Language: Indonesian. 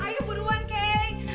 ayo buruan keng